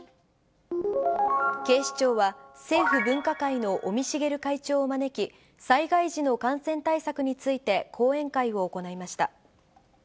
警視庁は、政府分科会の尾身茂会長を招き、災害時の感染対策について、講演会を行いました。